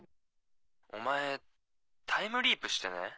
お前タイムリープしてねえ？